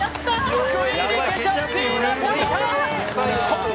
具入りケチャッピーナポリタン！